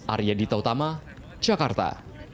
arya dita utama jakarta